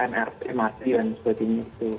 mrt dan sebagainya